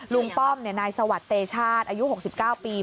ป้อมนายสวัสดิ์เตชาติอายุ๖๙ปี